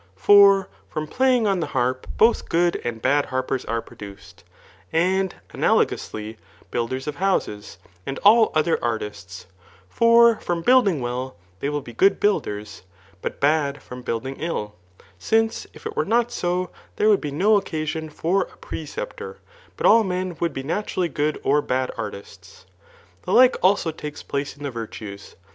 For from phying on die harp» both good and bad harpers are produced ; and analogously builders of houses, and all other artists# For horn building well^ they will be good builders, but bad from building ill ; since if it were not so, there would be no occasion for a preceptor, but all men would be [[naturally^ good or bad artists. The like also take^ place in the virtues.